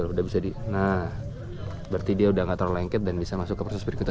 nah berarti dia sudah enggak terlalu lengket dan bisa masuk ke proses berikutnya